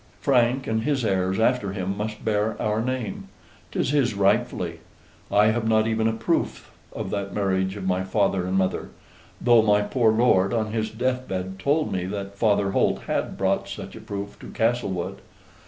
Frank and his heirs after him must bear our name. 'Tis his rightfully; I have not even a proof of that marriage of my father and mother, though my poor lord, on his death bed, told me that Father Holt had brought such a proof to Castlewood.